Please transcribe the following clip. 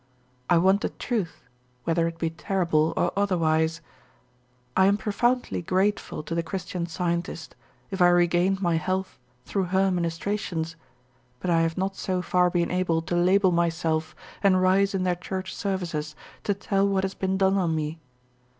I want the truth, whether it be terrible or otherwise. I am profoundly grateful to the Christian Scientist, if I regained my health through her ministrations, but I have not so far been able to label myself and rise in their church services to tell what has been done on me.